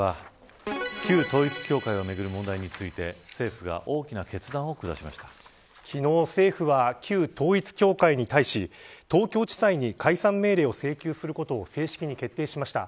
旧統一教会をめぐる問題について昨日、政府は旧統一教会に対し東京地裁に解散命令を請求することを正式に決定しました。